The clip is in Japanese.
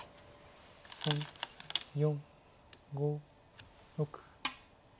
３４５６。